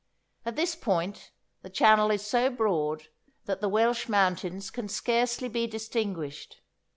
At this point the channel is so broad that the Welsh mountains can scarcely be distinguished.